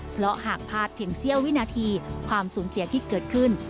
เพราะหากพลาดเพียงเสี้ยววินาทีความสูญเสียที่เกิดขึ้น